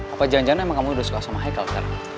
apa jangan jangan emang kamu udah suka sama hicle sekarang